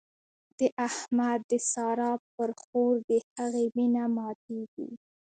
د احمد د سارا پر خور د هغې مينه ماتېږي.